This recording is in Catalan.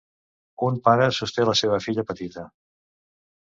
Un pare sosté la seva filla petita.